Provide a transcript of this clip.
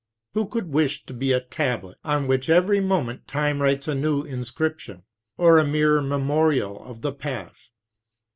Who could wish to be a tablet on which every moment Time writes a new inscription, or a mere memorial of the past?